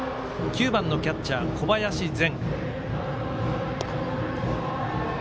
９番のキャッチャー、小林然。